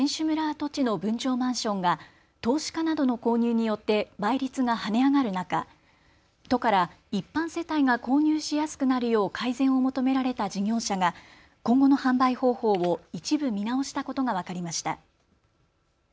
跡地の分譲マンションが投資家などの購入によって倍率が跳ね上がる中、都から一般世帯が購入しやすくなるよう改善を求められた事業者が今後の販売方法を一部見直したことが分かりました。